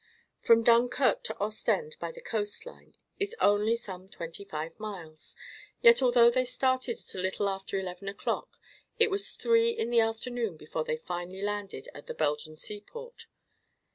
From Dunkirk to Ostend, by the coast line, is only some twenty five miles, yet although they started at a little after eleven o'clock it was three in the afternoon before they finally landed at the Belgian seaport.